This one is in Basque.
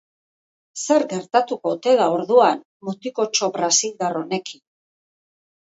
Zer gertatuko ote da orduan mutikotxo brasildar honekin?